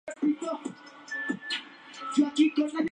Tenía oficinas tanto en Calcuta como en Londres.